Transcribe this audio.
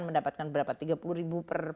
mendapatkan berapa tiga puluh per